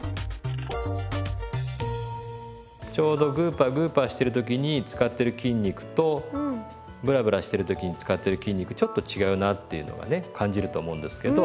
ちょうどグーパーグーパーしてる時に使ってる筋肉とブラブラしてる時に使ってる筋肉ちょっと違うなっていうのがね感じると思うんですけど。